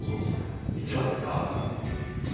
一番ですか？